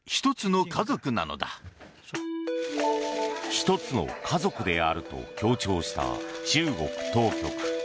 一つの家族であると強調した中国当局。